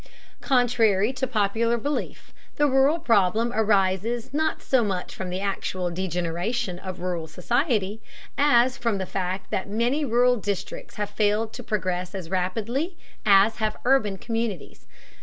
Contrary to popular belief, the rural problem arises not so much from the actual degeneration of rural society, as from the fact that many rural districts have failed to progress as rapidly as have urban communities.